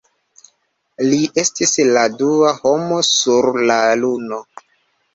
Li estis la dua homo sur la Luno.